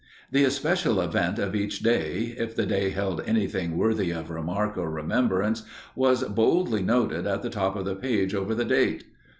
The especial event of each day, if the day held anything worthy of remark or remembrance, was boldly noted at the top of the page over the date.